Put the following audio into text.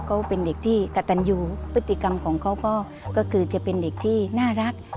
เขาเป็นเด็กที่กระตันอยู่พฤติกรรมของเขาก็คือจะเป็นเด็กที่น่ารัก